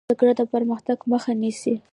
جګړه د پرمختګ مخه نیسي